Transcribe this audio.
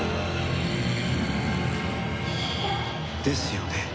ですよね？